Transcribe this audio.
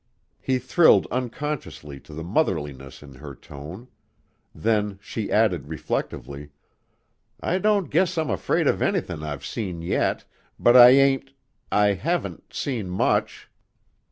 He thrilled unconsciously to the motherliness in her tone. Then she added reflectively: "I don't guess I'm afraid of anythin' I've seen yet, but I ain't I haven't seen much."